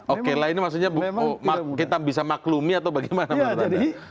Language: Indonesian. okelah ini maksudnya kita bisa maklumi atau bagaimana